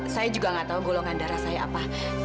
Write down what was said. saya juga enggak tahu gulangan darah saya apa